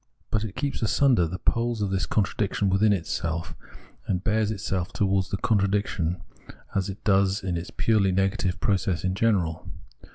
But it keeps asunder the poles of this contradiction within itself ; and bears itself towards the contradiction as it does in its purely negative process in general.